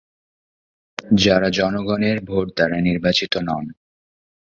যারা জনগণের ভোট দ্বারা নির্বাচিত নন।